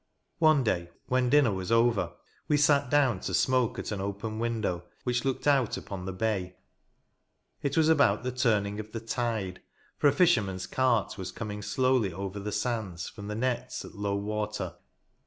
One day, when dinner was over, we sat down to smoke at an open window, which looked out upon the bay. It was about the turning of the tide, for a fisherman's cart was coming slowly over the sands, from the nets at low water.